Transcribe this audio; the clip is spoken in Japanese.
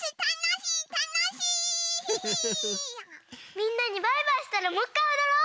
みんなにバイバイしたらもっかいおどろう！